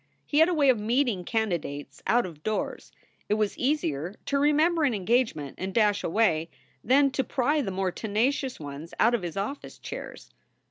He had a way of meeting candidates out of doors. It was easier to remember an engagement and dash away, than to pry the more tenacious ones out of his office chairs.